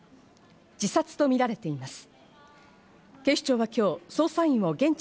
自殺とみられています。